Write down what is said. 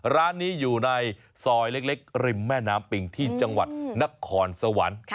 ร้านนี้อยู่ในซอยเล็กริมแม่น้ำปิงที่จังหวัดนครสวรรค์